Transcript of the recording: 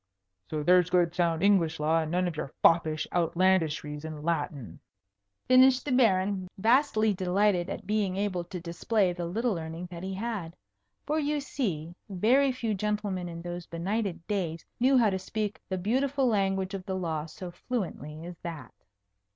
So there's good sound English law, and none of your foppish outlandishries in Latin," finished the Baron, vastly delighted at being able to display the little learning that he had. For you see, very few gentlemen in those benighted days knew how to speak the beautiful language of the law so fluently as that.